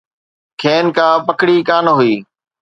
کين ڪا پڪڙي ڪانه هئي.